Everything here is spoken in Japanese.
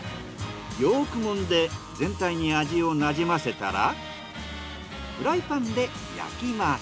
よくもんで全体に味をなじませたらフライパンで焼きます。